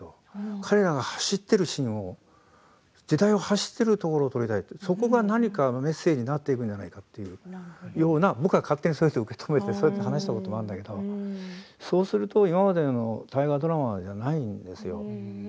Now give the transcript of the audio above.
彼らが走っているシーンを時代を走っているところを撮りたいとそこが何かメッセージなっていくんじゃないかと僕は勝手にそうやって受け止めてそう話したこともあるんだけれど今までの大河ドラマじゃないんですよ。